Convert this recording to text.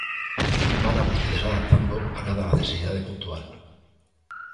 Vana vostedes adaptando a cada necesidade puntual.